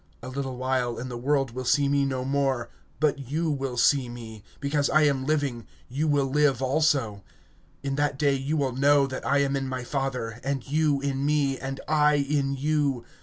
(19)Yet a little while, and the world sees me no more; but ye see me; because I live, ye shall live also. (20)In that day ye shall know that I am in my Father, and ye in me, and I in you.